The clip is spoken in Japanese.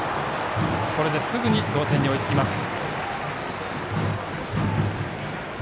これですぐに同点に追いつきます。